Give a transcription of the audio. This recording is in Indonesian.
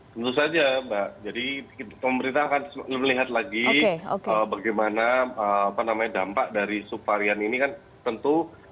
tentu saja mbak jadi pemerintah akan melihat lagi bagaimana dampak dari subvarian ini kan tentu